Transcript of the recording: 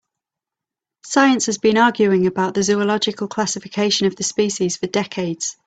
Science has been arguing about the zoological classification of the species for decades.